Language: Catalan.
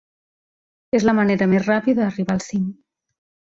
És la manera més ràpida d'arribar al cim.